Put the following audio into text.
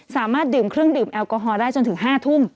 สามารถดื่มเครื่องดื่มแอลกอฮอลได้จนถึง๕ทุ่ม